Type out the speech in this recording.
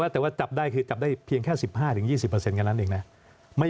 แต่ว่าจับได้คือจับได้เพียงแค่๑๕๒๐แค่นั้นเองนะ